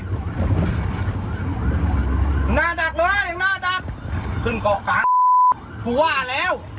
ข้างหน้าดักเลยข้างหน้าดักขึ้นกรอกกลางพูดว่าแล้ว